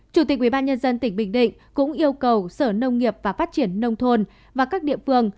chủ tịch ubnd tỉnh bình định cũng yêu cầu sở nông nghiệp và phát triển nông thôn và các địa phương